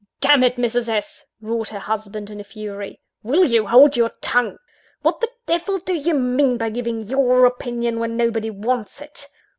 "Damn it, Mrs. S.!" roared her husband in a fury, "will you hold your tongue? What the devil do you mean by giving your opinion, when nobody wants it?